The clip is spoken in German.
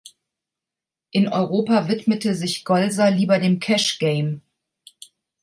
In Europa widmete sich Golser lieber dem Cash Game.